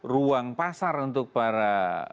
ruang pasar untuk para